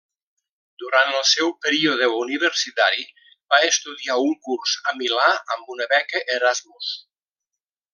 Durant el seu període universitari, va estudiar un curs a Milà amb una beca Erasmus.